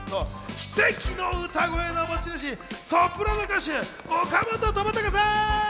奇跡の歌声の持ち主・ソプラノ歌手の岡本知高さん！